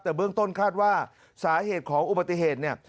แต่เบื้องต้นคาดว่าสาเหตุของอุบัติเหตุเนี่ย